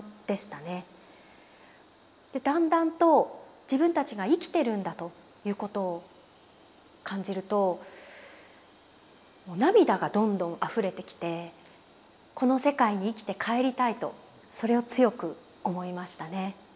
だんだんと自分たちが生きてるんだということを感じると涙がどんどんあふれてきてこの世界に生きて帰りたいとそれを強く思いましたね。